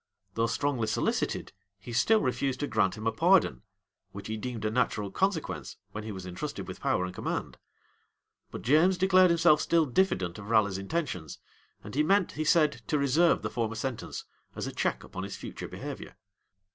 Though strongly solicited, he still refused to grant him a pardon, which he deemed a natural consequence, when he was intrusted with power and command. But James declared himself still diffident of Raleigh's intentions; and he meant, he said, to reserve the former sentence, as a check upon his future behavior.